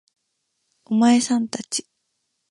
お前さん達